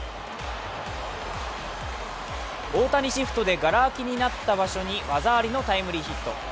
大谷シフトでがら空きになった場所に技ありのタイムリーヒット。